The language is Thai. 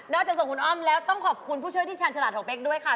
จะส่งคุณอ้อมแล้วต้องขอบคุณผู้ช่วยที่ชาญฉลาดของเป๊กด้วยค่ะ